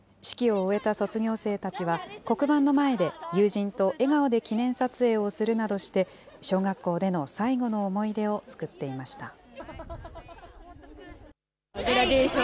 式を終えた卒業生たちは、黒板の前で、友人と笑顔で記念撮影をするなどして、小学校での最後の思い出を作っていました。